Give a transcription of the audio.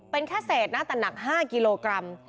เป็นแค่เศษนะแต่หนัก๕กิโลกรัม